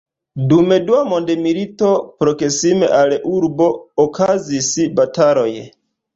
Dum Dua mondmilito proksime al urbo okazis bataloj.